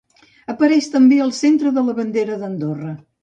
Apareix també al centre de la bandera d'Andorra.